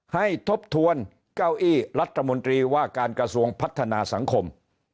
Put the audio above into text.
ทบทวนเก้าอี้รัฐมนตรีว่าการกระทรวงพัฒนาสังคม